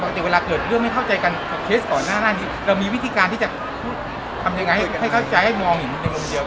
แต่เวลาเกิดเรื่องไม่เข้าใจกันกับเคสก่อนหน้านี้เรามีวิธีการที่จะพูดทำยังไงให้เข้าใจให้มองอย่างนี้ในมุมเดียว